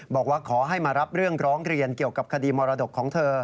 บอกว่าขอให้มารับเรื่องร้องเรียนเกี่ยวกับคดีมรดกของเธอ